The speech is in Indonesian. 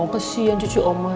kesian cucu oma